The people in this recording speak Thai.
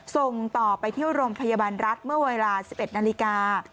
ส่งต่อไปที่โรงพยาบาลรัฐเมื่อเวลา๑๑นาฬิกา